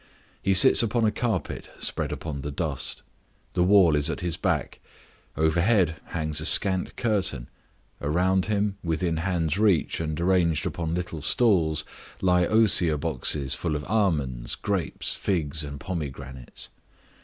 He sits upon a carpet spread upon the dust; the wall is at his back; overhead hangs a scant curtain, around him, within hand's reach and arranged upon little stools, lie osier boxes full of almonds, grapes, figs, and pomegranates.